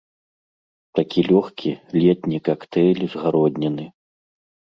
Такі лёгкі, летні кактэйль з гародніны.